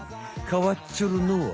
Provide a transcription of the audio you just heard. かわっちょるのは？